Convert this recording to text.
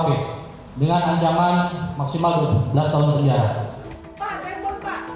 menyelamatkan maksimal dua belas tahun penjara